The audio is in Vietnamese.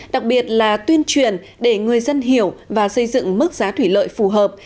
đặc biệt là tuyên truyền để người dân hiểu và xây dựng mức giá thủy lợi phù hợp